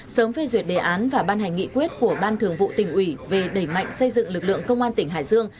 sớm phê duyệt đề án và ban hành nghị quyết của ban thường vụ tỉnh ủy về đẩy mạnh xây dựng lực lượng công an tỉnh hải dương